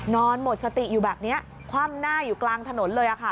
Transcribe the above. นอนหมดสติอยู่แบบนี้คว่ำหน้าอยู่กลางถนนเลยค่ะ